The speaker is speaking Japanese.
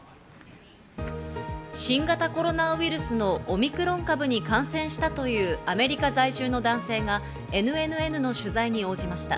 新型コロナウイルスのオミクロン株に感染したというアメリカ在住の男性が、ＮＮＮの取材に応じました。